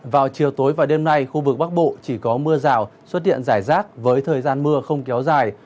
vào chiều tối và đêm nay khu vực bắc bộ chỉ có mưa rào xuất hiện rải rác với thời gian mưa không kéo dài